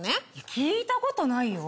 聞いたことないよ。